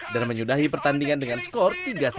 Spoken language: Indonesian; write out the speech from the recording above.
dan menyudahi pertandingan dengan skor tiga satu